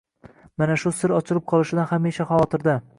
Mana shu sir ochilib qolishidan hamisha xavotirda.